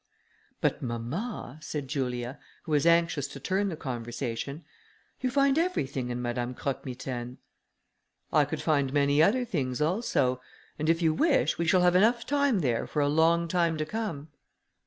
"But, mamma," said Julia, who was anxious to turn the conversation, "you find everything in Madame Croque Mitaine." "I could find many other things also; and if you wish, we shall have enough there for a long time to come."